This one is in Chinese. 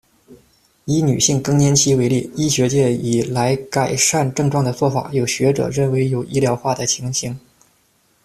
以女性更年期为例，医学界以来改善症状的作法，有学者认为有医疗化的情形。